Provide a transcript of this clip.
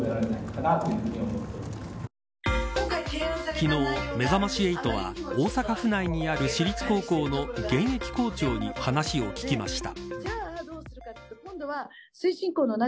昨日めざまし８は大阪府内にある私立高校の現役校長に話を聞きました。